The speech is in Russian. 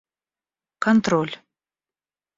контроль